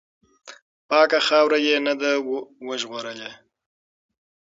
پاکه خاوره یې نه ده وژغورلې.